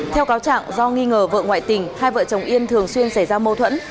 theo cáo trạng do nghi ngờ vợ ngoại tình hai vợ chồng yên thường xuyên xảy ra mâu thuẫn